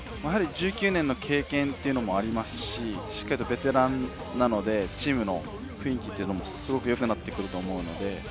１９年の経験もありますし、ベテランなのでチームの雰囲気もよくなってくると思うので。